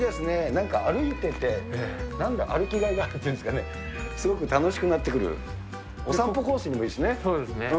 なんか歩いてて、歩きがいがあるっていうんですかね、すごく楽しくなってくる、お散歩コースにもいいですね。